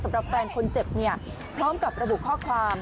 สำหรับแฟนคนเจ็บเนี่ยพร้อมกับระบุข้อความ